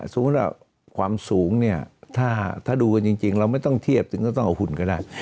สมมุติว่าความสูงเนี่ยถ้าดูกันจริงเราไม่ต้องเทียบถึงก็ต้องเอาหุ่นก็ได้